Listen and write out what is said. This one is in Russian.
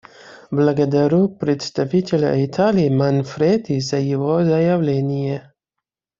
Благодарю представителя Италии Манфреди за его заявление.